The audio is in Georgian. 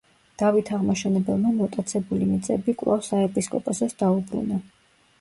დავით აღმაშენებელმა მოტაცებული მიწები კვლავ საეპისკოპოსოს დაუბრუნა.